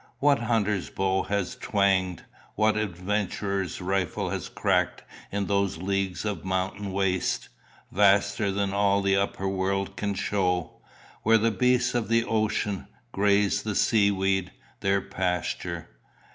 What hunter's bow has twanged, what adventurer's rifle has cracked in those leagues of mountain waste, vaster than all the upper world can show, where the beasts of the ocean "graze the sea weed, their pasture"!